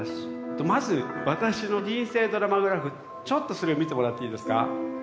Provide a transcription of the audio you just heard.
まず私の人生ドラマグラフちょっとそれを見てもらっていいですか？